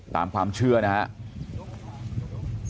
ตามความเชื่อนะครับ